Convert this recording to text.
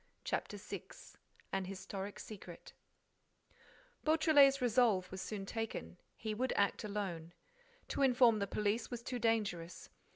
CHAPTER SIX AN HISTORIC SECRET Beautrelet's resolve was soon taken: he would act alone. To inform the police was too dangerous.